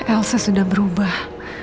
elsa sudah berubah